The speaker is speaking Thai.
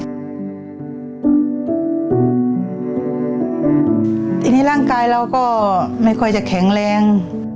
ทีนี้ร่างกายเราก็ไม่ค่อยจะแข็งแรง